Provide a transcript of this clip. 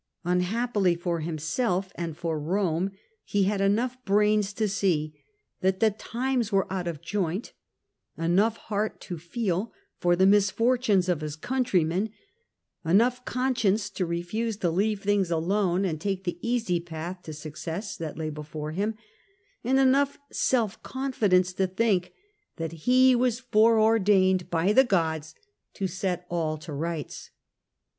Unhappily for himself an d for Eome, he had enough hvairia tn see 'that the time s were out_qf joi nt, e noug h heart to feel for the misfortunes of his countrymen, enough conscience to refus6„to_Jeave things alone and t ake ^ e easV path" to success that lay before him, arid mough seif confidence. to_t hink that h e was 'f oreo r dain ed by the gods to set all toL_rights.